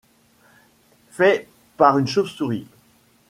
Fait par une chauve-souris.